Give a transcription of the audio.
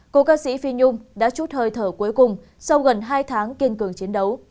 cô ca sĩ phi nhung đã chút hơi thở cuối cùng sau gần hai tháng kiên cường chiến đấu